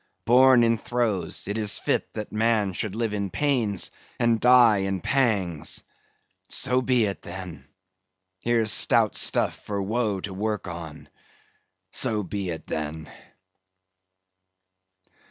Born in throes, 'tis fit that man should live in pains and die in pangs! So be it, then! Here's stout stuff for woe to work on. So be it, then."